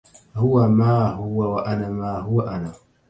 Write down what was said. هو ما هو وأنا ما هو أنا